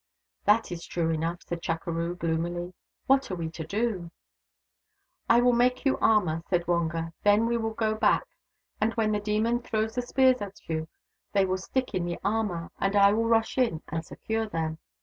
" That is true enough," said Chukeroo gloomily. "What are we to do ?"" I will make you armour," said Wonga. " Then we will go back, and when the demon throws the THE DAUGHTERS OF WONKAWALA 191 spears at you they will stick in the armour, and I will rush in and secure them."